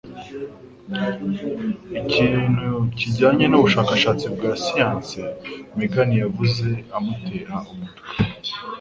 Ikintu kijyanye n'ubushakashatsi bwa siyanse, Megan yavuze, amutera umutwe.